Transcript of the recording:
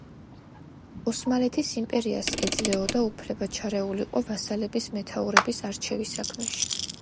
ოსმალეთის იმპერიას ეძლეოდა უფლება ჩარეულიყო ვასალების მეთაურების არჩევის საქმეში.